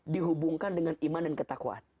dihubungkan dengan iman dan ketakwaan